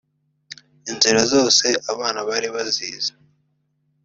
Inzira zose abana bari bazizi